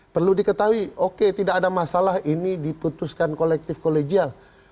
perlu diketahui oke tidak ada masalah ini diputuskan kolektif kolegial